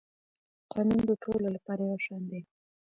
قانون د ټولو لپاره یو شان دی